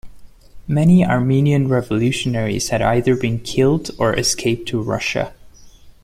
Many Armenian revolutionaries had either been killed or escaped to Russia.